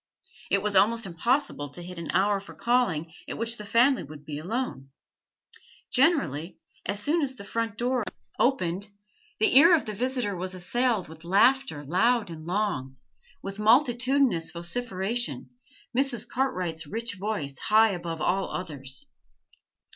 It was almost impossible to hit an hour for calling at which the family would be alone; generally, as soon as the front door opened, the ear of the visitor was assailed with laughter loud and long, with multitudinous vociferation, Mrs. Cartwright's rich voice high above all others.